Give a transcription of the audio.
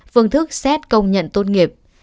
phương thức xét công nhận tốt nghiệp